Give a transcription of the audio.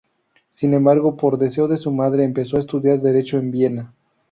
Sin embargo, por deseo de su madre empezó a estudiar Derecho en Viena.